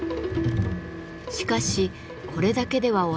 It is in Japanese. しかしこれだけでは終わりません。